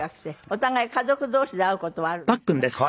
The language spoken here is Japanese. お互い家族同士で会う事はあるんですか？